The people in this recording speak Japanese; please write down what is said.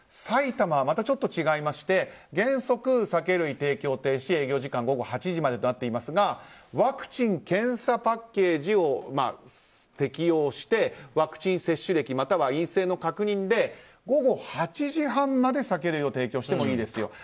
埼玉はまたちょっと違いまして原則、酒類提供停止営業時間午後８時までとなっていますがワクチン・検査パッケージを適用してワクチン接種歴または陰性の確認で午後８時半まで酒類を提供してもいいですよ